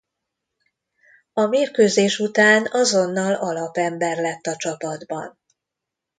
A mérkőzés után azonnal alapember lett a csapatban.